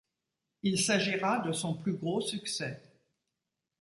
Il s'agira de son plus gros succès.